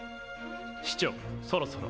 市長そろそろ。